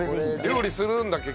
料理するんだっけ？